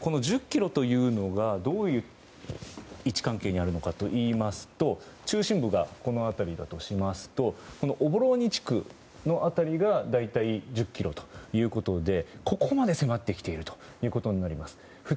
この１０ｋｍというのが、どんな位置関係にあるのかというと中心部がこの辺りだとしますとオボローニ地区の辺りが大体１０ｋｍということでここまで迫ってきているということになります。